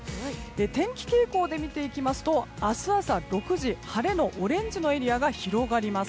天気傾向で見ていくと明日朝６時晴れのオレンジのエリアが広がります。